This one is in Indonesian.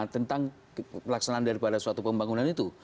tentang pelaksanaan daripada suatu pembangunan itu